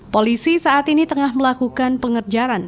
polisi saat ini tengah melakukan pengerjaan